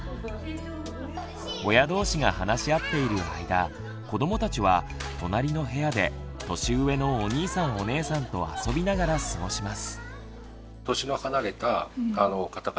親同士が話し合っている間子どもたちは隣の部屋で年上のお兄さんお姉さんと遊びながら過ごします。